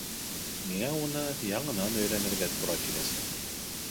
Миңә уны яңынан өйрәнергә тура киләсәк.